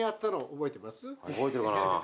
覚えてるかな。